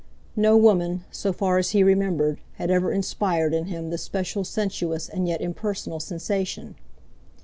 No woman, so far as he remembered, had ever inspired in him this special sensuous and yet impersonal sensation.